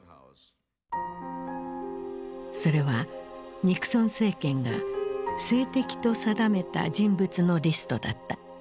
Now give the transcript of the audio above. それはニクソン政権が政敵と定めた人物のリストだった。